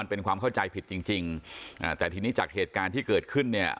เป็นความเข้าใจผิดจริงจริงอ่าแต่ทีนี้จากเหตุการณ์ที่เกิดขึ้นเนี่ย